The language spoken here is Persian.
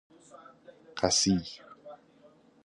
قسی